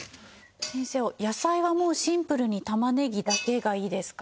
先生野菜はもうシンプルに玉ねぎだけがいいですか？